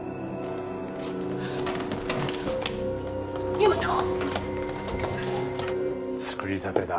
深山ちゃん？作りたてだ。